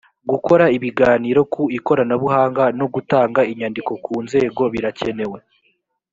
gukora ibiganiro ku ikoranabuhanga no gutanga inyandiko ku nzego birakenewe